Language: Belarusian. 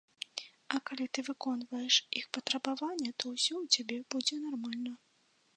А калі ты выконваеш іх патрабаванні, то ўсё ў цябе будзе нармальна.